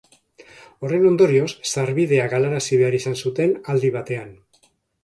Horren ondorioz, sarbidea galarazi behar izan zuten aldi batean.